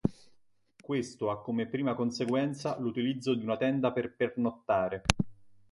Questo ha come prima conseguenza l'utilizzo di una tenda per pernottare.